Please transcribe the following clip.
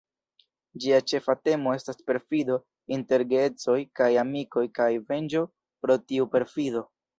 Ĝia ĉefa temo estas perfido inter geedzoj kaj amikoj kaj venĝo pro tiu perfido.